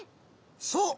そう！